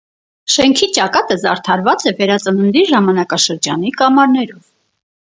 Շենքի ճակատը զարդարված է վերածննդի ժամանակաշրջանի կամարներով։